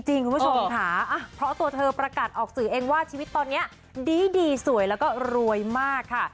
คุณผู้ชมค่ะเพราะตัวเธอประกาศออกสื่อเองว่าชีวิตตอนนี้ดีสวยแล้วก็รวยมากค่ะ